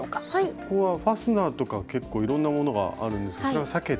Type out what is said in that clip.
そこはファスナーとか結構いろんなものがあるんですがそれは避けて。